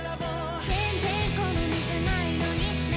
「全然好みじゃないのに」